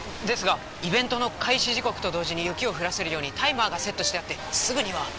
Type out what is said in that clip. ですがイベントの開始時刻と同時に雪を降らせるようにタイマーがセットしてあってすぐには。